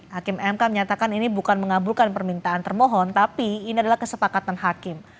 hakim mk menyatakan ini bukan mengabulkan permintaan termohon tapi ini adalah kesepakatan hakim